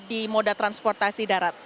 di moda transportasi darat